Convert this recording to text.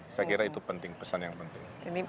saya kira itu penting pesan yang penting